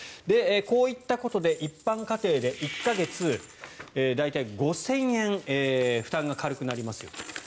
こういったことで、一般家庭で１か月、大体５０００円負担が軽くなりますよと。